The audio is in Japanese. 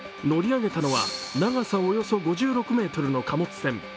乗り上げたのは長さおよそ５６ｍの貨物船